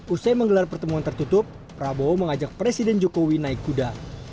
usai menggelar pertemuan tertutup prabowo mengajak presiden jokowi naik kuda